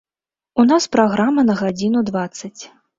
У нас праграма на гадзіну дваццаць.